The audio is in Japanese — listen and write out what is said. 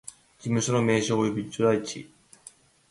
事務所の名称及び所在地